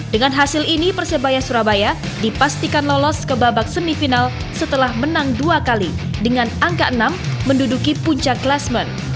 dengan hasil ini persebaya surabaya dipastikan lolos ke babak semifinal setelah menang dua kali dengan angka enam menduduki puncak klasmen